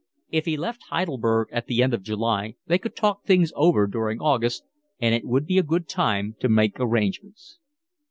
If he left Heidelberg at the end of July they could talk things over during August, and it would be a good time to make arrangements.